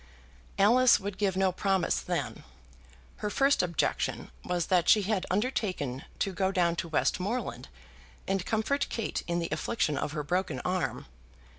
Alice would give no promise then. Her first objection was that she had undertaken to go down to Westmoreland and comfort Kate in the affliction of her broken arm.